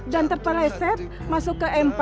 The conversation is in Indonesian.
dan terpeleset masuk ke m empat